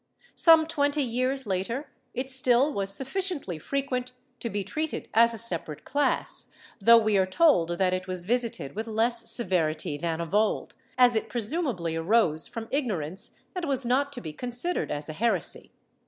^ Some twenty years later it still was sufficiently frequent to be treated as a separate class, though we are told that it was visited with less severity than of old, as it presumably arose from ignorance and was not to be considered as a heresy.